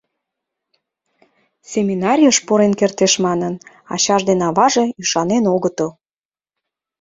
Семинарийыш пурен кертеш манын, ачаж ден аваже ӱшанен огытыл.